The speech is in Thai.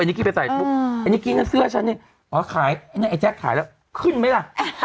อันนี้กิ๊กไปใส่อันนี้กิ๊กหน้าเสื้อฉันเนี่ยอ๋อขายอันนี้ไอ้แจ๊กขายแล้วขึ้นไหมล่ะ